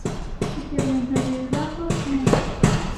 Ibyo bintu bibaho kenshi.